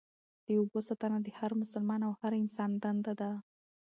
د اوبو ساتنه د هر مسلمان او هر انسان دنده ده.